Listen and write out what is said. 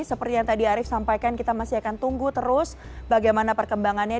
seperti yang tadi arief sampaikan kita masih akan tunggu terus bagaimana perkembangannya